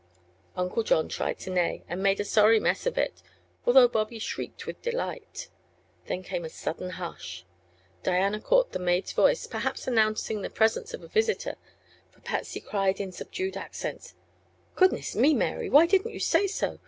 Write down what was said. '" Uncle John tried to neigh, and made a sorry mess of it, although Bobby shrieked with delight. Then came a sudden hush. Diana caught the maid's voice, perhaps announcing the presence of a visitor, for Patsy cried in subdued accents: "Goodness me, Mary! why didn't you say so?